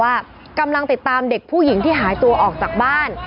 ว่ากำลังติดตามเด็กผู้หญิงที่หายตัวออกจากบ้าน